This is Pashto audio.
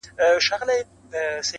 یو قاضي بل څارنوال په وظیفه کي,